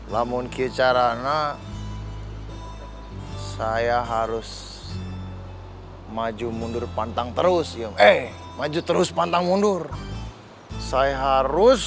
lamun kicarana saya harus maju mundur pantang terus ya maju terus pantang mundur saya harus